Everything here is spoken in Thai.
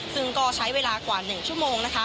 ซึ่งก็ใช้เวลากว่า๑ชั่วโมงนะคะ